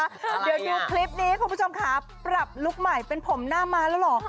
เดี๋ยวดูคลิปนี้คุณผู้ชมค่ะปรับลุคใหม่เป็นผมหน้าม้าแล้วเหรอ